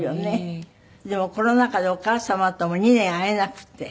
でもコロナ禍でお母様とも２年会えなくて。